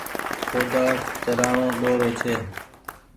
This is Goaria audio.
ڪوۮآڙ چلآڻو ڏورو ڇي۔